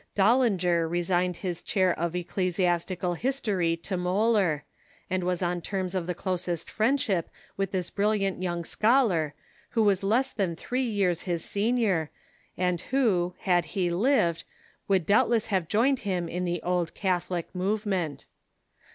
Dullinger resigned his chair of ecclesiastical history to Muhler, and was on terras of the closest friendship with this brilliant young scholar, who was less than three years his senior, and who, had he lived, would doubtless have joined him in the Old Catholio movement.